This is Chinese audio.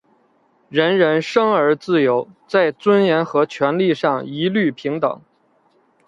人人生而自由,在尊严和权利上一律平等。